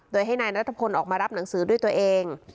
โดยให้นายนัทพลออกมารับหนังสือด้วยตัวเอง